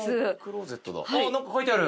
あっ何か書いてある